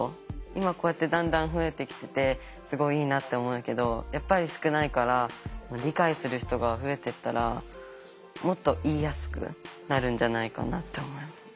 今こうやってだんだん増えてきててすごいいいなって思うけどやっぱり少ないから理解する人が増えていったらもっと言いやすくなるんじゃないかなって思う。